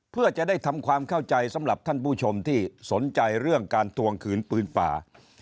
เพื่อจะได้ทำความเข้าใจสำหรับท่านผู้ชมที่สนใจเรื่องการทวงคืนปืนป่า